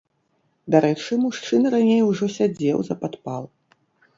Дарэчы, мужчына раней ужо сядзеў за падпал.